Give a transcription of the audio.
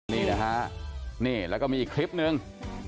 นี่นะฮะนี่แล้วก็มีอีกคลิปนึง